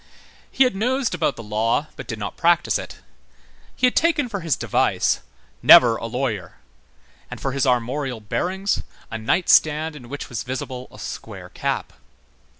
He had nosed about the law, but did not practise it. He had taken for his device: "Never a lawyer," and for his armorial bearings a nightstand in which was visible a square cap.